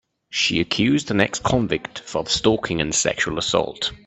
She accused an ex-convict of stalking and sexual assault.